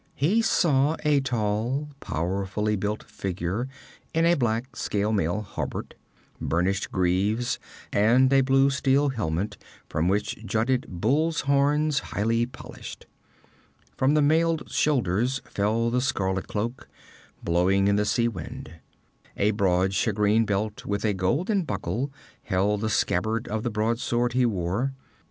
He saw a tall powerfully built figure in a black scale mail hauberk, burnished greaves and a blue steel helmet from which jutted bull's horns highly polished. From the mailed shoulders fell the scarlet cloak, blowing in the sea wind. A broad shagreen belt with a golden buckle held the scabbard of the broadsword he bore.